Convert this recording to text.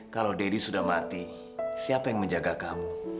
kalau deddy sudah mati siapa yang menjaga kamu